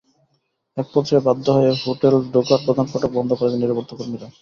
একপর্যায়ে বাধ্য হয়ে হোটেলে ঢোকার প্রধান ফটক বন্ধ করে দেন নিরাপত্তাকর্মীরা।